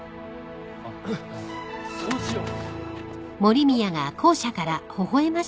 あっうんそうしよう。